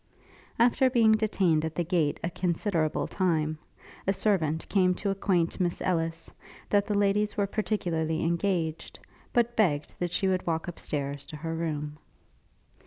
After being detained at the gate a considerable time, a servant came to acquaint Miss Ellis, that the ladies were particularly engaged, but begged that she would walk up stairs to her room.